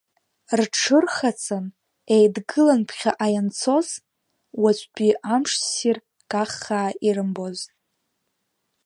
Рҽырхаҵан, еидгылан ԥхьаҟа ианцоз, уаҵәтәи амш ссир каххаа ирымбоз.